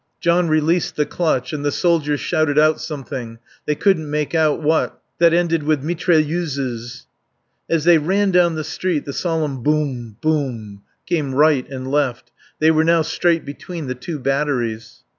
John released the clutch, and the soldier shouted out something, they couldn't make out what, that ended with "mitrailleuses." As they ran down the street the solemn Boom Boom came right and left; they were now straight between the two batteries.